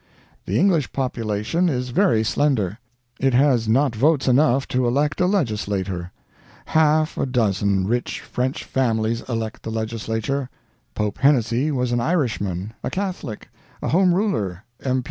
The English population is very slender; it has not votes enough to elect a legislator. Half a dozen rich French families elect the legislature. Pope Hennessey was an Irishman, a Catholic, a Home Ruler, M.